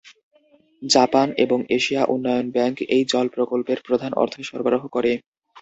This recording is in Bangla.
জাপান এবং এশীয় উন্নয়ন ব্যাংক এই জল প্রকল্পের প্রধান অর্থ সরবরাহ করে।